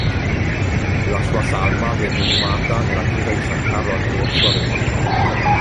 La sua salma venne inumata nella chiesa di San Carlo al Corso a Roma.